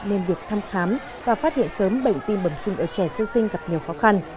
nên việc thăm khám và phát hiện sớm bệnh tim bẩm sinh ở trẻ sơ sinh gặp nhiều khó khăn